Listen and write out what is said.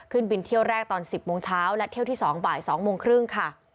ขึ้นบินเที่ยวแรกตอน๑๐โมงเช้าและเที่ยวที่๒บ่าย๒โมงครึ่งค่ะ